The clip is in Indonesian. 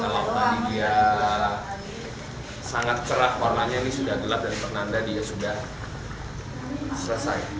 kalau tadi dia sangat cerah warnanya ini sudah gelap dan penanda dia sudah selesai